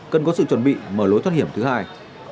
cần có sự chuẩn bị mở lối thoát hiểm thứ hai